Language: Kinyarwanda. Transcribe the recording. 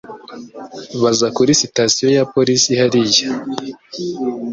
Baza kuri sitasiyo ya polisi hariya.